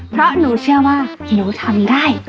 เพราะหนูเชื่อว่าหนูทำได้